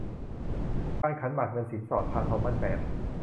พานขันหมากเงินสินสอด พานทองหมั้น แปด